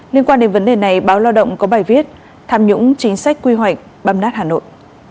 liên quan đến vấn đề này báo lao động có bài viết tham nhũng chính sách quy hoạch băm nát hà nội